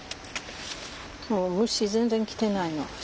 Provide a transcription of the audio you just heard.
もう虫全然来てないの。